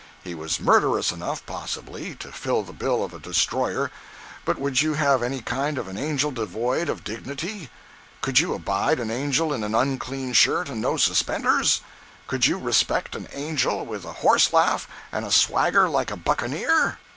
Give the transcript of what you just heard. He was murderous enough, possibly, to fill the bill of a Destroyer, but would you have any kind of an Angel devoid of dignity? Could you abide an Angel in an unclean shirt and no suspenders? Could you respect an Angel with a horse laugh and a swagger like a buccaneer?